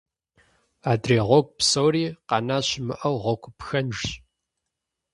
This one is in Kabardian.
Адрей гъуэгу псори, къанэ щымыӀэу, гъуэгу пхэнжщ.